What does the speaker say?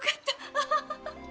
アハハハ。